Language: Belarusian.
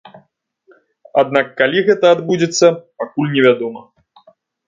Аднак калі гэта адбудзецца, пакуль невядома.